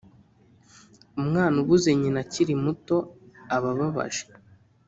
Umwana ubuze nyina akiri muto aba ababaje